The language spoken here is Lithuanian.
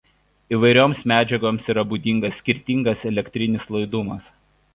Įvairioms medžiagoms yra būdingas skirtingas elektrinis laidumas.